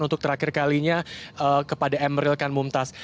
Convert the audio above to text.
untuk terakhir kalinya kepada emeril kanmumtas